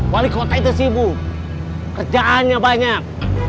wali kota itu sibuk kerjaannya banyak